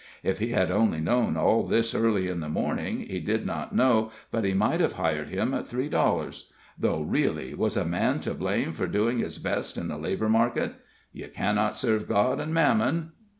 If he had only known all this early in the morning, he did not know but he might have hired him at three dollars; though, really, was a man to blame for doing his best in the labor market? "Ye cannot serve God and mammon."